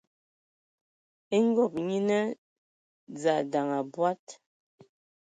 E ngob nyina dza ndaŋ abɔad.